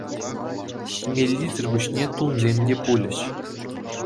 Ҫимеллисӗр пуҫне тумсем те пулӗҫ.